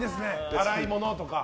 洗い物とか。